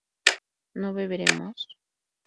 ¿no beberemos?